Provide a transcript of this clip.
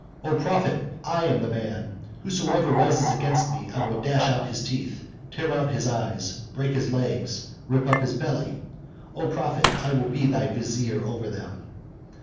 "O prophet, I am the man: whosoever rises against thee, I will dash out his teeth, tear out his eyes, break his legs, rip up his belly. O prophet, I will be thy vizier over them."